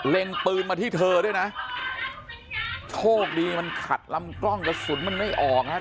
ปืนมาที่เธอด้วยนะโชคดีมันขัดลำกล้องกระสุนมันไม่ออกนะฮะ